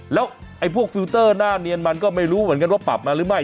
แล้วไอ้พวกฟิลเตอร์หน้าเนียนมันก็ไม่รู้เหมือนกันว่าปรับมาหรือไม่